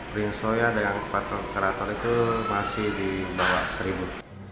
prince soya dan kapal pantokrator itu masih di bawah seribu